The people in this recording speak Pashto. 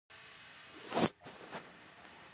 یوه لار چې لویو پانګوالو به پیسې راټولولې